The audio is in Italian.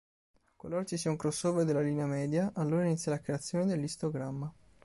Qualora ci sia un crossover della linea media, allora inizia la creazione dell'istogramma.